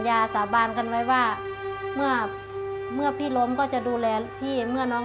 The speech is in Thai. อยากให้รู้ว่ารักเขาห่วง